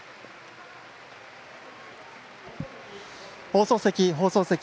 放送席、放送席。